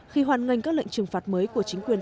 khi hoàn ngành các lệnh trừng phạt mới của chính quyền